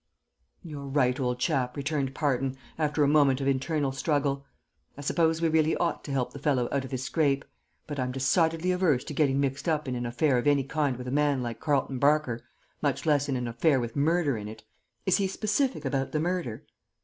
"You're right, old chap," returned Parton, after a moment of internal struggle. "I suppose we really ought to help the fellow out of his scrape; but I'm decidedly averse to getting mixed up in an affair of any kind with a man like Carleton Barker, much less in an affair with murder in it. Is he specific about the murder?"